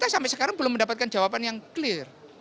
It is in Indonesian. sampai sekarang belum mendapatkan jawaban yang clear